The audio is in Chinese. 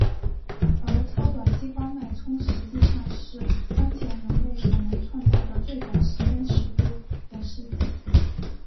而超短激光脉冲实际上是当前人类所能创造的最短时间尺度的事件。